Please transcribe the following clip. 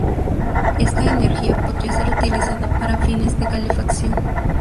Esta energía podría ser utilizada para fines de calefacción.